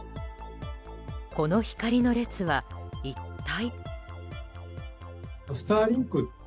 この光の列は一体。